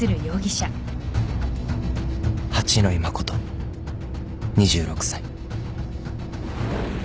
［八野衣真２６歳］